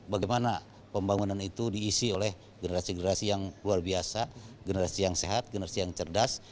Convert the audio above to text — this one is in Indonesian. bagaimana pembangunan itu diisi oleh generasi generasi yang luar biasa generasi yang sehat generasi yang cerdas